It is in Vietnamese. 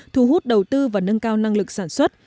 thu hút đầu tư và nâng cao năng lực sản xuất